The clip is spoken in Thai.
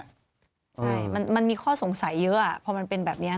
ใช่มันมีข้อสงสัยเยอะอะเพราะมันเป็นแบบนี้เนอะ